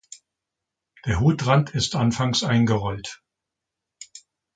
Der Hutrand ist anfangs eingerollt.